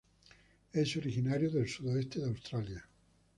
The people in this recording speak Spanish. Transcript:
Es originario del sudoeste de Australia.